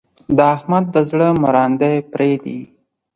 د احمد د زړه مراندې پرې دي.